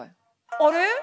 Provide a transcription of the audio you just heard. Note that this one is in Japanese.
「あれ？